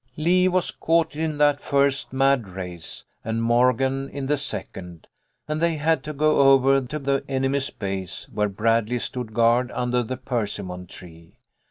Lee was caught in that first mad race, and Mor gan in the second, and they had to go over to the enemy's base, where Bradley stood guard under the persimmon tree.